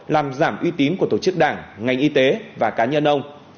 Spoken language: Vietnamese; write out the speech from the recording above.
làm giảm uy tín của tổ chức đảng ngành y tế và cá nhân ông